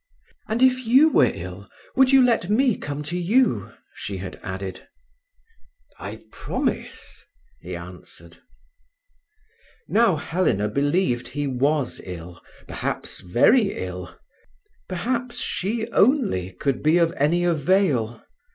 "And if you were ill—you would let me come to you?" she had added. "I promise," he answered. Now Helena believed he was ill, perhaps very ill, perhaps she only could be of any avail.